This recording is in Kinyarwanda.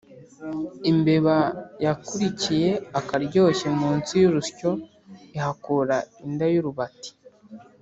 Imbeba yakurikiye akaryoshye munsi y’urusyo ihakura inda y’urubati.